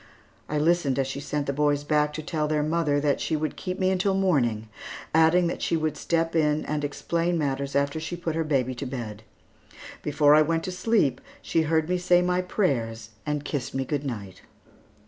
I listened as she sent the boys back to tell their mother that she would keep me until morning, adding that she would step in and explain matters after she put her baby to bed. Before I went to sleep she heard me say my prayers and kissed me good night.